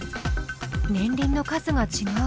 年輪の数がちがう。